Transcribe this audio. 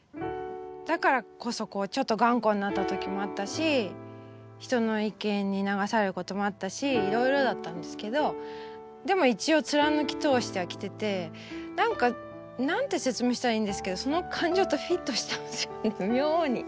だからこそこうちょっと頑固になった時もあったし人の意見に流されることもあったしいろいろだったんですけどでも一応貫き通してはきてて何か何て説明したらいいんですけどその感情とフィットしたんですよね妙に。